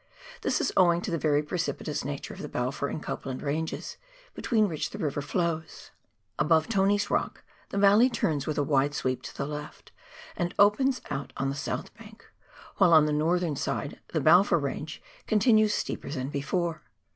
This is owing to the very precipitous nature of the Balfour and Copland Ranges, between which the river flows. Above Tony's Rock, the valley turns with a wide sweep to the left, and opens out on the south bank, while on the northern side the Balfour Range continues steeper than before.